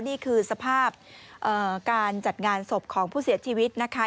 นี่คือสภาพการจัดงานศพของผู้เสียชีวิตนะคะ